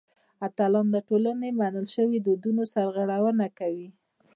اتلان د ټولنې له منل شویو دودونو سرغړونه کوي.